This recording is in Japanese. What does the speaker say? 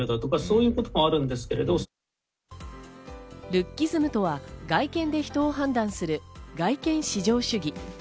ルッキズムとは外見で人を判断する、外見至上主義。